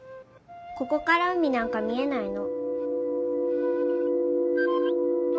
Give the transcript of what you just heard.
ここから海なんか見えないの。